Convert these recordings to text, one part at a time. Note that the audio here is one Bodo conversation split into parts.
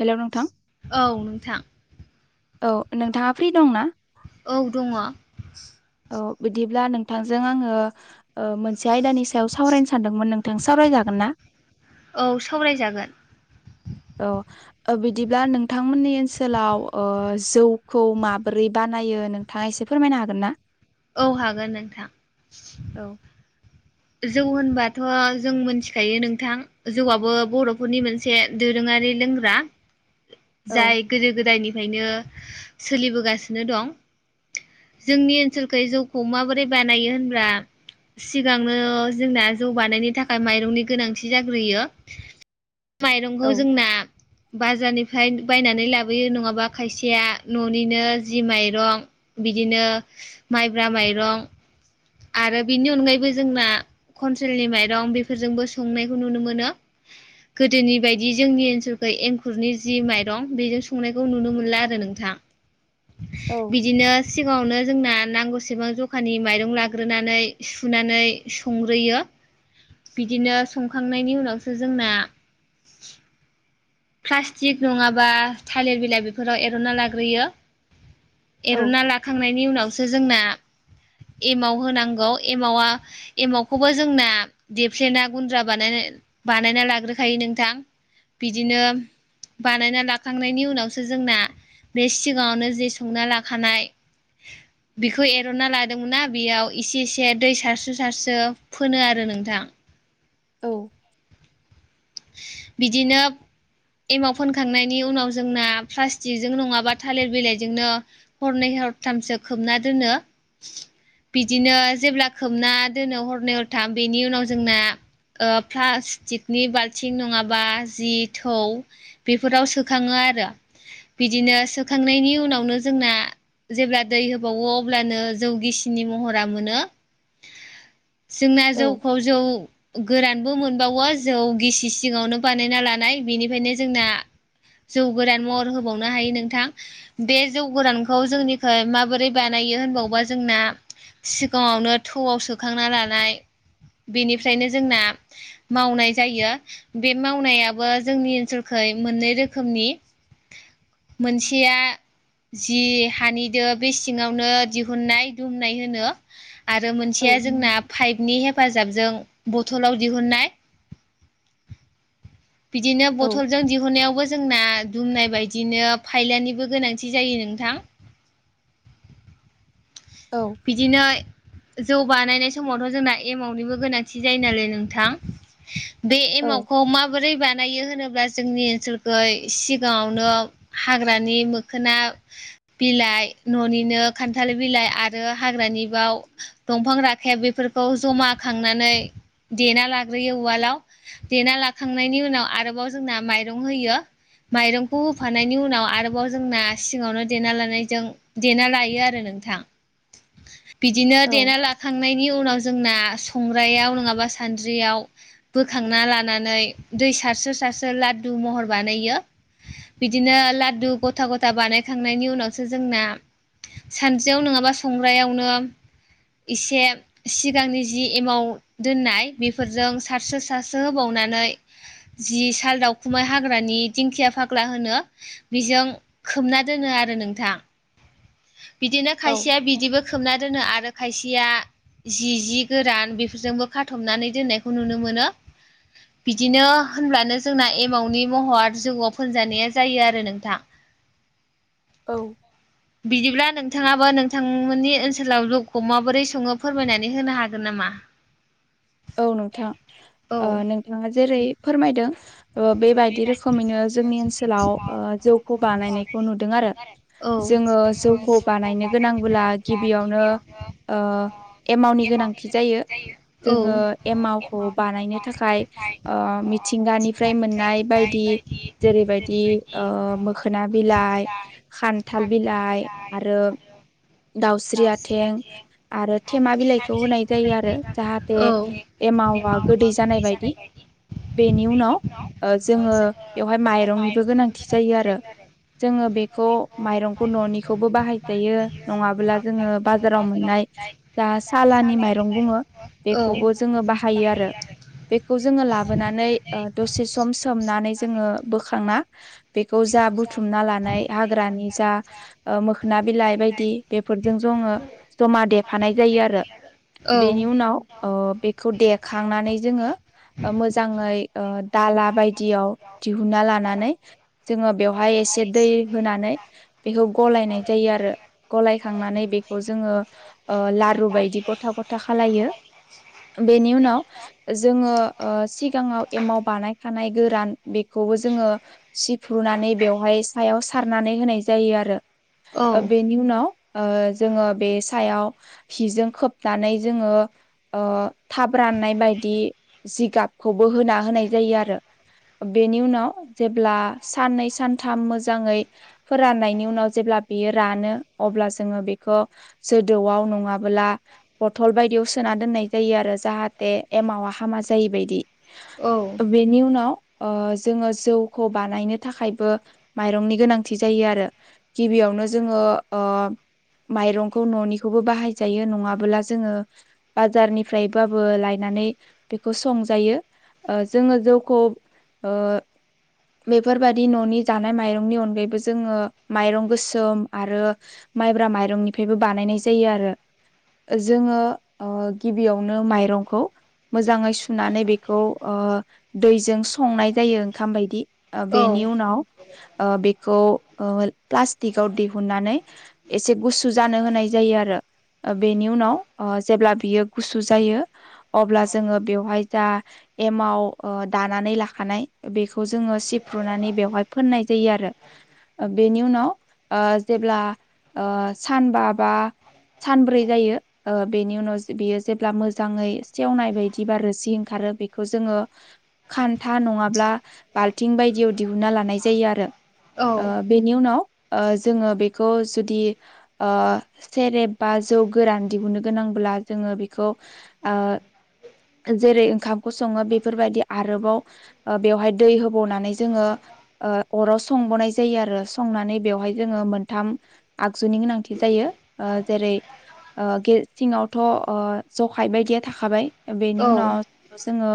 हेल' नोंथां औ नोंथां औ नोंथाङा फ्रि दं ना? औ दङ औ बिदिब्ला नोंथांजों आङो मोनसे आयदानि सायाव सावरायनो सानदोंमोन नोंथां सावरायजागोन ना? औ सावरायजागोन औ बिदिब्ला नोंथांमोननि ओनसोलाव ओ जौखौ माबोरै बानाय नायो नोंथाङा एसे फोरमायनो हागोन ना? औ हागोन नोंथां औ जौ होनबाथ' जों मिथिखायो नोंथां जौआआबो बर'फोरनि मोनसे दोरोङा रि औ जाय गोदो गोदायनि फ्रायनो सोलिबोगासिनो दं जोंनि ओनसोलखै जौखौ माबोरै बानायो होनब्रा सिगां जोंना जौ बानायनो थाखाय माइरंनि गोनांथि जाग्रोयो माइरंखौ औ जोंना बाजारनिफ्राय बायनानै लाबोयो नङाबा खायसेया न'निनो जि माइरं बिदिनो माइब्रा माइरं आरो बिनि अनगायैबो जोंना खनसे्रेलनि माइरं बेफोरजोंबो संनायखौ नुनो मोनो। गोदोनि बायदि जोंनि ओनसोलखौ एंखुरनि जि माइरं बेजों संनायखौ नुनो मोनला आरो नों थां औ बिदिनो सिगाङावनो जोंना नांगौसेबां जखानि माइरं ला ग्रोनानै सुनानै संग्रोयो। बिदिनो संखांनायनि उनावसो जोंना प्लास्टिक नङाबा थालिर बिलाइ बेफोराव एरनना लाग्रोयो औ एर'ना लाखांनायनि उनावसो जोंना एमाव होनांगौ एमावा एमावखौबो जोंना देफ्लेना गुन्द्रा बानायना बानायना लाग्रोखायो नोंथां। बिदिनो बानायना लाखांनायनि उनावसो जोंना बे सिगाङावनो जे संना लाखानाय बेखौ एरनना लादोंमोनना बेयाव इसे एसे दै सारसो सारसो फोनो आरो नोंथां। औ बिदिनो एमाव फोनखांनायनि उनाव जोंना प्लास्टिकजों नङाबा थालिर बिलाइजोंनो हरनै हरथामसो खोबना दोनो। [inaudible] बिदिनो जेब्ला खोबना दोनो हरनै हरथाम बेनि उनाव जोंना ओ फ्लासतिकनि बालथिं बालथिं नङाबा जि थौ बेफोराव सोखाङो आरो बिदिनो सोखांनायनि उनावनो जोंना जेब्ला दै होबावो अब्लानो जौ गिसिनि महरा मोनो। [inaudible] [inaudible] जोंना औ जौखौ जौ गोरानबो मोनबावो जौ गिसि सिङावनो बानायना लानाय बेनिफ्रायायनो जोंना जौ गोरान महर होबावनो हायो नोंथां बे जौ गोरानखौ जोंनिखै माबोरै बानाय यो होनबावबा जोंना सिगाङावनो थौआव सोखांना लानाय बेनिफ्रायनो जोंना मावनाय जायो। बे मावनायाबो जोंनि ओनसोलखै मोननै रोखोमनि मोनसेया जि हानिदो बे सिङावनो दिहुननाय दुमनाय होनो आरो औ मोनसेया जोंना पाइपनि हेफाजाबजों बथलाव दिहुननाय बिदिनो औ बथलजों दिहुनायावबो जोंना दुमनाय बायदिनो फायलानिबो गोनांथि जायो नोंथां। बिदिनो जौ बानायनाय समावथ' जोंना एमावनिबो गोनांथि जायो नालाय नोंथां बे एमावखौ माबोरै बानायो होनोब्ला जोंनि ओनसोलखौ सिगाङावनो हाग्रानि मोखोना बिलाइ न'निनो खान्थाल बिलाइ आरो हाग्रानि बाव दंफां राखेब बेफोरखौ जमा खांनानै देना लाग्रोयो उवालाव देना लाखांनायनि उनाव आरोबाव जोंना माइरं होयो। माइरंखौ होफानायनि उनाव आरोबाव जोंना सिङावनो देना लानायजों देना लायो आरो नों नोंथां बिदिनो औ देना लाखांनायनि उनाव जोंना संग्रायाव नङाबा सानद्रियाव बोखांना लानानै दै सारस्रो सारस्रो लादु महर बानायो। बिदिनो लादु गथा गथा बानायखांनायनि उनावसो जोंना सानद्रियाव नङाबा संग्रायावनो इसे सिगांनि जि एमाउ दोननाय बेफोरजों सारसो सारसो होबावनाय नानै जि साल दावखुमाय हाग्रानि दिंखिया फाग्ला होनो बेजों खोमना दोनो आरो नोंथां। बिदिनो औ खायसेया बिदिबो खोबना दोनो आरो खायसेया जि जि गोरान बेफोरजोंबो खाथबनानै दोननायखौ नुनो मोनो। बिदिनो होनब्लानो जोंना एमावनि महर जौआव फोनजानाया जायो आरो नोंथां। औ। बिदिब्ला नोंथाङाबो नोंथां मोननि ओनसोलाव जौखौ माबोरै सङो फोरमायनानै होनो हागोन नामा? औ नोंथां औ ओ नोंथाङा जेरै फोरमायदों ओ बेबायदि रोखोमैनो जोंनि ओनसोलाव ओ जौखौ बानायनायखौ नुदों आरो। औ जोङो जौखौ बानायनो गोनांब्ला गिबियावनो ओ एमावनि गोनांथि जायो। औ जोङो एमावखौ बानायनो थाखाय ओ मिथिंगानिफ्राय मोन मोननाय बायदि जेरैबायदि ओ मोखोना बिलाइ, खान्थाल बिलाइ आरो दावस्रि आथें आरो थेमा बिलाइखौ होनाय जायो आरो। दे औ एमावा गोदै जानाय बायदि बेनि उनाव ओ जोङो बेवहाय माइरंनिबो गोनांथि जायो आरो। जोङो बेखौ माइरंखौ न'निखौबो बाहाय जायो नङाब्ला जोङो बाजाराव मोननाय नाय दा सालानि माइरं बुङो औ बेखौबो जोङो बाहायो आरो। बेखौ जोङो लाबोनानै ओ दसे सम सोमनानै जोङो बोखांना बेखौ जा बुथुमना लानाय हाग्रानि जा ओ मोखोना बिलाइ बायदि बेफोरजों ज जोङो जमा देफानाय जायो आरो औ बेनि उनाव ओ ओ‌ बेखौ देखांनानै जोङो ओ मोजाङै ओ दाला बायदियाव दिहुना लानानै जोङो बेवहाय एसे दै होनानै बेखौ गलायनाय जायो आरो गलायखांनानै बेखौ जोङो ओ लारु बायदि गथा गथा खालायो। बेनि उनाव जोङो ओ सिगाङाव एमाव बानायखानाय गोरान बेखौबो जोङो सिफ्रुनानै बेवहाय सायाव सारनानै होनाय जायो आरो। औ ओ बेनि उनाव ओ जोङो बे सायाव हिजों खोबनानै जोङो ओ थाब राननाय बायदि जिगाबखौबो होना होनाय जायो आरो। बेनि उनाव जेब्ला साननै सानथाम मोजाङै फोराननायनि उनाव जेब्ला बियो रानो अब्ला जोङो बेखौ जोदौआव नङाबोला बथल बायदियाव सोना दोननाय जायो आरो। जाहाथे एमावा हामा जायैबायदि। औ बेनि उनाव ओ जोङो जौखौ बानायनो थाखायबो माइरंनि गोनांथि जायो आरो गिबियाव नो जोङो‌ ओ माइरंखौ न'निखौबो बाहायजायो नङाबोला जोङो बाजारनिफ्रायबाबो लायनानै बेखौ संजायो। ओ‌ जोङो जौखौ ओ बेफोरबादि न'नि जानाय माइरंनि अनगायैबो जोङो माइरं गोसोम आरो माइब्रा माइरंनिफ्रायबो बानायनाय जायो आरो। जोङो ओ गिबियावनो माइरंखौ मोजाङै सुनानै बेखौ ओ दैजों संनाय जायो ओंखाम बायदि। ओ औ बेनि उनाव ओ बे खौ ओ प्लास्टिकाव दिहुननानै एसे गुसु जानो होनाय जायो आरो। ओ बेनि उनाव ओ जेब्ला बियो गुसु जायो अब्ला जोङो बेवहाय दा एमाव ओ दानानै नानै लाखानाय बेखौ जोङो सिफ्रुनानै बेयावहाय फोननाय जायो आरो। ओ बेनि उनाव ओ जेब्ला ओ सानबा बा सानब्रै जायो ओ बेनि उनाव जे बेयो जेब्ला मोजाङै सेवनाय बायदिबा रोसि ओंखारो बेखौ जोङो खान्था नङाब्ला बाल्थिं बायदियाव दिहुना लानाय जायो आरो। औ ओ बेनि उनाव ओ जोङो बेखौ जुदि ओ सेरेब बा जौ गोरान दिहुननो गोनांब्ला जोङो बेखौ ओ जेरै ओंखाम खौ सङो बेफोरबायदि आरोबाव ओ बेवहाय दै होबावनानै जोङो ओ अराव संबावनाय जायो आरो संनानै बेवहाय ओमफाय जोङो मोनथाम आगजुनि गोनांथि जायो ओ जेरै ओ [unintelligible] ओ जखाय बायदिया थाखाबाय बे नि उनाव औ जोङो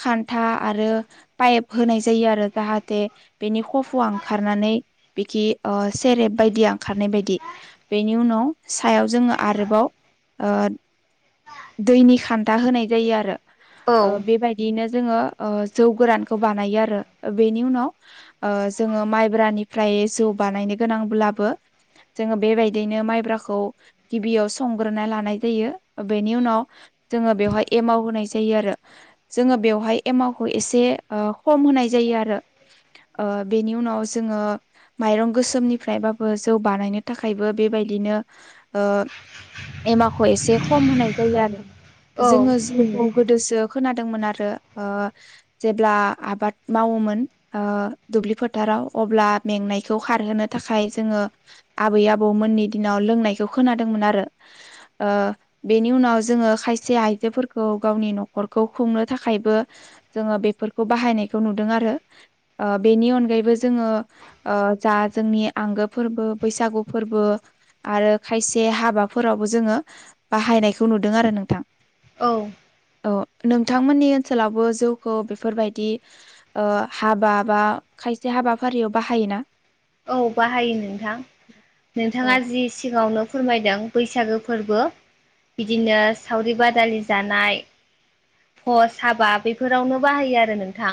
खान्था आरो पाइप होनाय जायो आरो जाहाथे बेनि खफुआ ओंखारनानै बिखि ओ सेरेब बायदि ओंखारनाय बायदि बेनि उनाव सायाव जोङो आरोबाव ओ दैनि खान्था होनाय जायो आरो ओ बेबायदियैनो जोङो ओ जौ गोरानखौ बानायो आरो बेनि उनाव ओ जोङो माइब्रानिफ्राय बे जौ‌ बानायनो गोनां ब्लाबो जोङो बेबायदियैनो माइब्राखौ गिबियाव सं लानाय जायो बेनि उनाव जोङो बेवहाय एमाव होनाय जायो आरो जोङो बेव हाय एमाउखौ एसे ओ खम होनाय जायो आरो ओ बेनि उनाव जोङो माइरं गोसोमनिफ्रायबाबो जौ बानायनो थाखायबो बे बायदिनो ओ एमाखौ एसे खम होनाय जायो आरो औ जोङो जिउखौ गोदो खोनादोंमोन आरो ओ जेब्ला आबाद मावोमोन ओ दुब्लि फो फोथाराव अब्ला मेंनायखौ खारहोनो थाखाय जोङो आबै आबौ मोननि दिनाव लोंनायखौ खोनादोंमोन आरो ओ बेनि उनाव जोङो खायसे आइजोफोरखौ गावनि नखरखौ खुंनो थाखायबो। जोङो बेफोरखौ बाहायनायखौ नुदों आरो ओ बेनि अनगायैबो जोङो ओ जा जोंनि आंगो फोरबो बैसागु फोरबो आरो खायसे हाबा फोरावबो जोङो बाहायनायखौ नुदों आरो नोंथां। औ। औ नोंथांमोननि ओनसोलावबो जौखौ बेफोरबायदि ओ हाबा बा खायसे हाबाफारियाव बाहायोना? औ बाहायो नोंथां नोंथाङा औ जि सिगाङावनो फोरमायदों बैसागो फोरबो बिदिनो सावरि बादालि जानाय पस हाबा बेफोरावनो बाहायो आरो नोंथां।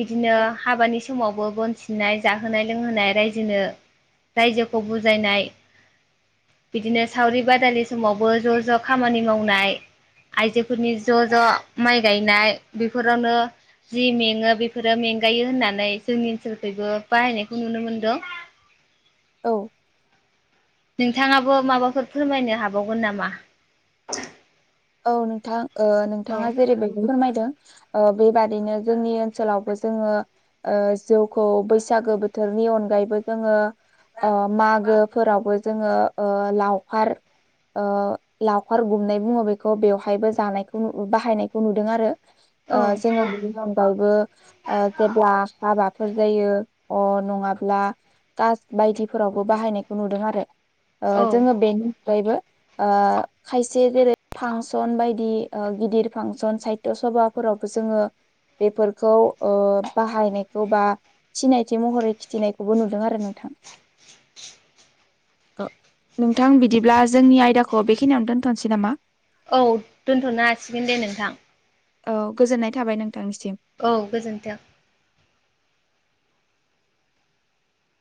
बिदिनो हाबानि समावबो बोन सिननाय जाहोनाय लोंहोनाय रायजोनो रायजोखौ बुजायनाय। बिदिनो सावरि बादालि समावबो ज ज खामानि मावनाय, आइजोफोरनि ज ज माइ गायनाय बेफोरावनो जि मेङो बेफोरो मेंगायो होननानै जोंनि ओनसोलखैबो बाहायनायखौ नुनो मोनदों। औ। नोंथाङाबो माबाफोर फोरमायनो हाबावगोन नामा? औ नोंथां ओ औ नोंथाङा जेरैबायदि फोरमायदों बेबादिनो जोंनि ओनसोलावबो जोङो ओ जौखौ बैसागो बोथोरनि अनगायैबो जोङो ओ मागोफोरावबो जोङो लावखार ओ लावखार गुमनाय बुङो बेखौ बेवहायबो जानायखौ बाहायनायखौ नुदों आरो औ ओ जोङो बेनि अनगायैबो ओ जेब्ला हाबा फोर जायो अ नङाब्ला कास बायदिफोरावबो बाहायनायखौ नुदों आरो ओ औ जोङो बेनि अनगायैबो खायसे जेरै फांसन बायदि गिदिर फांसन साहित्य सभाफोरावबो जोङो बेफोरखौ ओ बाहायनायखौ बा सिनायथि महरै खिथिनायखौबो नुदों आरो नोंथां। ओ नोंथां बिदिब्ला जोंनि आयदाखौ बेखिनियावनो दोनथनोसै नामा? औ दोनथनो हासिगोन दे नोंथां। औ गोजोननाय थाबाय नों। औ गोजोन्थों।